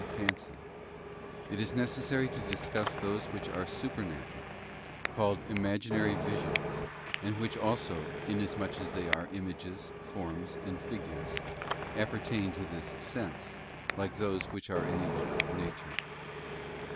the fancy, it is necessary to discuss those which are supernatural, called imaginary visions, and which also, inasmuch as they are images, forms, and figures, apper tain to this sense, like those which are in the order of nature.